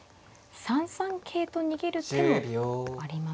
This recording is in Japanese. ３三桂と逃げる手もありますか。